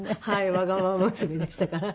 わがまま娘でしたから。